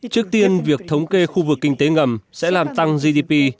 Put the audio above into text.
trước tiên việc thống kê khu vực kinh tế ngầm sẽ làm tăng gdp